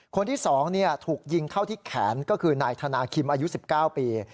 คนที่๒ถูกยิงเข้าที่แขนก็คือนายธนาคิมอายุ๑๙ปี